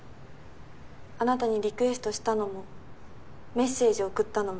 あなたにリクエストしたのもメッセージ送ったのも。